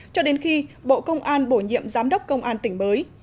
cho đến khi bộ công an bổ nhiệm giám đốc công an tỉnh mới